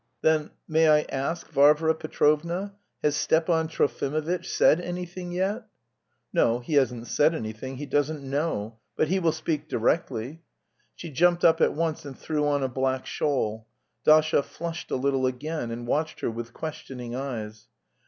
"Then, may I ask, Varvara Petrovna, has Stepan Trofimovitch said anything yet?" "No, he hasn't said anything, he doesn't know... but he will speak directly." She jumped up at once and threw on a black shawl. Dasha flushed a little again, and watched her with questioning eyes.